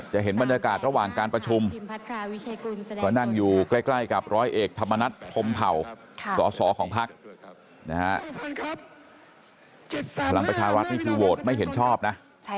เห็นบรรยากาศระหว่างการประชุมก็นั่งอยู่ใกล้กับร้อยเอกธรรมนัฐพรมเผ่าสอสอของพักนะฮะพลังประชารัฐนี่คือโหวตไม่เห็นชอบนะ